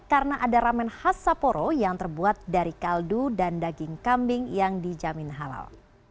karena ada ramen khas sapporo yang terbuat dari kaldu dan daging kambing yang dijamin halal